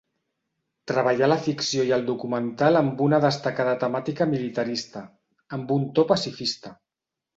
Treballà la ficció i el documental amb una destacada temàtica militarista, amb un to pacifista.